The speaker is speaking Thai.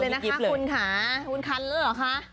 รีบเกาเลยนะคะคุณค่ะคุณคันเลยหรอคะ